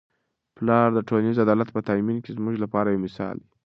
پلار د ټولنیز عدالت په تامین کي زموږ لپاره یو مثال دی.